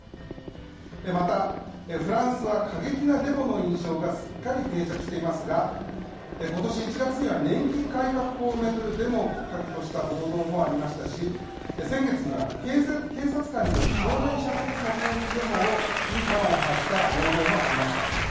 また、フランスは過激なデモの印象がすっかり定着していますが今年１月には年金改革法を巡るデモをきっかけとした暴動もありましたし先月は警察官による少年射殺の抗議デモに端を発した暴動もありました。